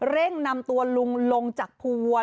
เร่งนำตัวลุงลงจากภูวัว